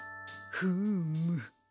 フーム。